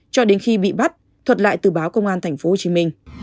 cho đến khi bị bắt thuật lại từ báo công an tp hcm